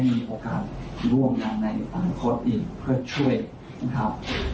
ไม่มีโอกาสร่วมอย่างในตามค้นอีกเพื่อช่วยนะครับ